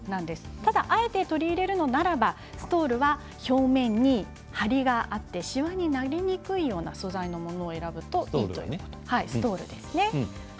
ただ、あえて取り入れるのならばストールは表面に張りがあってしわになりにくい素材のものを選ぶといいということです。